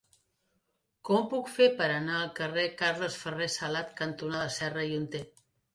Com ho puc fer per anar al carrer Carles Ferrer Salat cantonada Serra i Hunter?